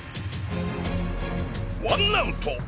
ワンナウト！